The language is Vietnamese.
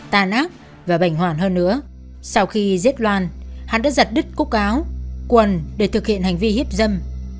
tàn ác và bệnh hoạn hơn nữa sau khi giết loan hắn đã giật đứt cúc áo quần để thực hiện hành vi hiếp dâm